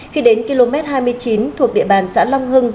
khi đến km hai mươi chín thuộc địa bàn xã long hưng